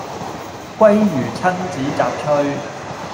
鮭魚親子雜炊